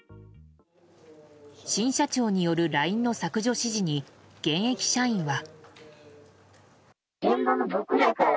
新社長によるＬＩＮＥの削除指示に現役社員は。